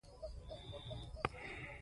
نه یوازې په خبرو کې.